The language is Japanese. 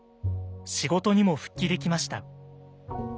仕事にも復帰できました。